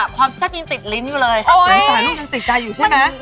ความแซ่บยินติดลิ้นอยู่เลยโอ๊ยความแซ่บยินติดใจอยู่ใช่ไหม